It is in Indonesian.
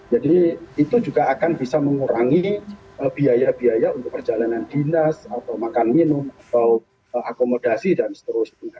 jadi itu juga akan bisa mengurangi biaya biaya untuk perjalanan dinas atau makan minum atau akomodasi dan seterusnya